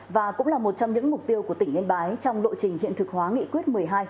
và cũng là một trong những mục tiêu của tỉnh yên bái trong lộ trình hiện thực hóa nghị quyết một mươi hai